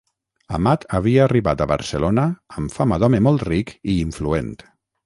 Amat havia arribat a Barcelona amb fama d’home molt ric i influent.